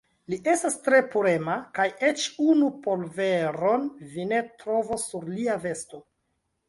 Li estas tre purema, kaj eĉ unu polveron vi ne trovos sur lia vesto.